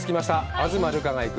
「東留伽が行く！